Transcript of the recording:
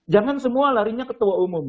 jangan semua larinya ketua umum